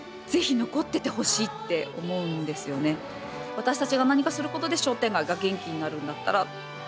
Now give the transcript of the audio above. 私たちが何かすることで商店街が元気になるんだったら。